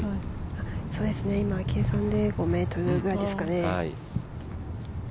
今、計算で５ｍぐらいですかね。